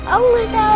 aku gak tahu